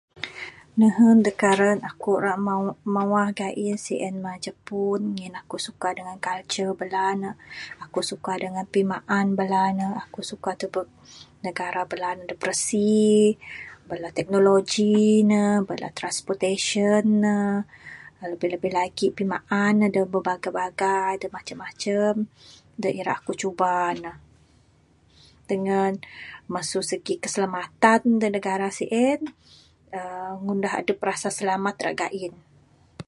Nehen da karan aku ra mawah gain sien mah jepun ngin aku suka dangan culture bala ne aku suka dangan pimaan bala ne. Aku suka tubek negara bala ne da birasi, bala teknologi ne, Bala transportation ne. Labih labih lagi pimaan ne. Da berbagai bagai da macam macam da ira aku cuba ne dangan masu segi keselamatan ne da negara sien uhh ngundah adep rasa silamat ra gain.